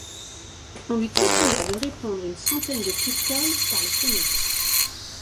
On lui conseilla de répandre une centaine de pistoles par les fenêtres.